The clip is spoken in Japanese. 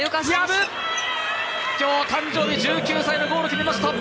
今日、誕生日１９歳ゴール決めました。